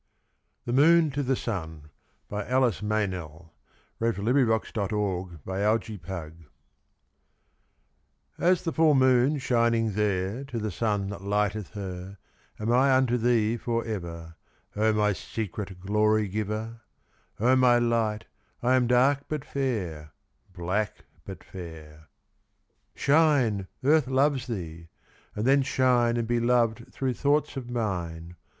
THE MOON TO THE SUN As the full moon shining there To the sun that lighteth her Am I unto thee for ever, O my secret glory giver! O my light, I am dark but fair, Black but fair. Shine, Earth loves thee! And then shine And be loved through thoughts of mine.